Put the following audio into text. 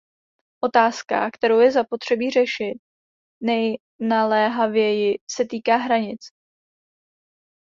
Otázka, kterou je zapotřebí řešit nejnaléhavěji, se týká hranic.